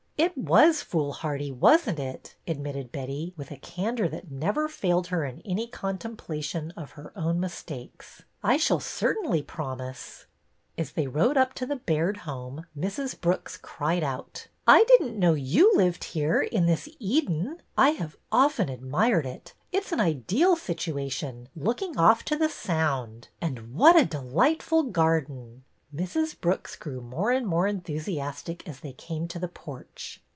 ''It was foolhardy, wasn't it?" admitted Betty, with a candor that never failed her in any contemplation of her own mistakes. " I shall certainly promise." As they rode up to the Baird home Mrs. Brooks cried out: " I did n't know you lived here, in this Eden. I have often admired it. It 's an ideal situation, looking off to the Sound. And what a delightful garden !" Mrs. Brooks grew more and more enthusiastic as they came to the porch.